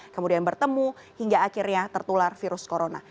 kemudian bertemu hingga akhirnya tertular virus corona